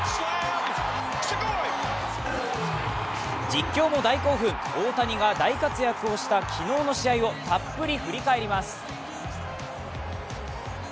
実況の大興奮大谷が大活躍した昨日の試合をたっぷり振り返ります。